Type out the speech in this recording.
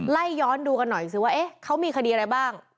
ไล่ย้อนดูกันหน่อยสิว่าเขามีคดีอะไรบ้าง